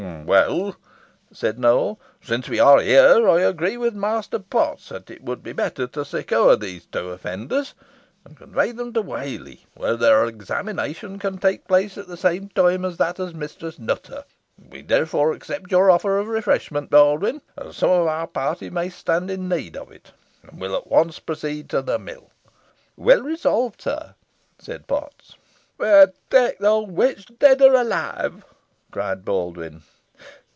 "Well," said Nowell, "since we are here, I agree with Master Potts, that it would be better to secure these two offenders, and convey them to Whalley, where their examination can be taken at the same time with that of Mistress Nutter. We therefore accept your offer of refreshment, Baldwyn, as some of our party may stand in need of it, and will at once proceed to the mill." "Well resolved, sir," said Potts. "We'n tae th' owd witch, dead or alive," cried Baldwyn.